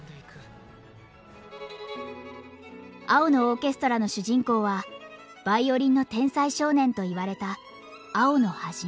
「青のオーケストラ」の主人公はヴァイオリンの天才少年と言われた青野一。